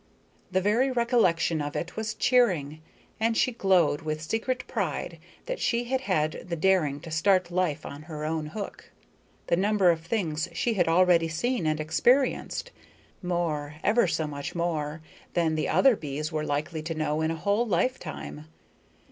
The very recollection of it was cheering, and she glowed with secret pride that she had had the daring to start life on her own hook. The number of things she had already seen and experienced! More, ever so much more, than the other bees were likely to know in a whole lifetime.